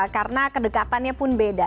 karena kedekatannya pun beda